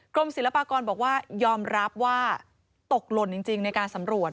ศิลปากรบอกว่ายอมรับว่าตกหล่นจริงในการสำรวจ